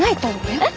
えっ？